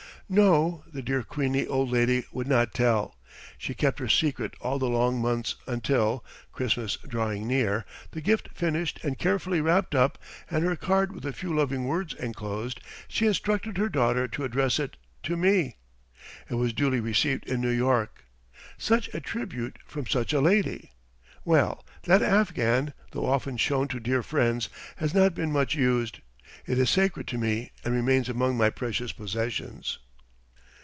No, the dear queenly old lady would not tell; she kept her secret all the long months until, Christmas drawing near, the gift finished and carefully wrapped up, and her card with a few loving words enclosed, she instructed her daughter to address it to me. It was duly received in New York. Such a tribute from such a lady! Well, that afghan, though often shown to dear friends, has not been much used. It is sacred to me and remains among my precious possessions.